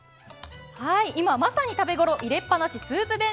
今まさに食べ頃入れっぱなしスープ